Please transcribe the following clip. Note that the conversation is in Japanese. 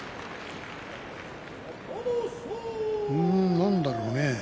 何だろうね。